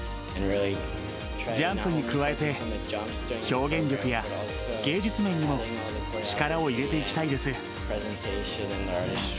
ジャンプに加えて、表現力や芸術面にも力を入れていきたいです。